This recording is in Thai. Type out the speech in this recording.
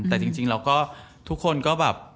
แต่จริงแล้วก็ทุกคนก็แบบ